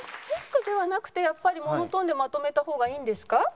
チェックではなくてやっぱりモノトーンでまとめた方がいいんですか？